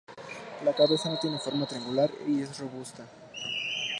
La cabeza tiene forma triangular y es robusta.